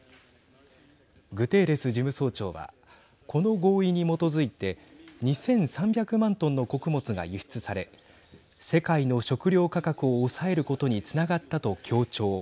グテーレス事務総長はこの合意に基づいて２３００万トンの穀物が輸出され世界の食料価格を抑えることにつながったと強調。